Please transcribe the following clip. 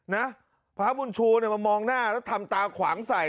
นะพระบุญชูเนี่ยมามองหน้าแล้วทำตาขวางใส่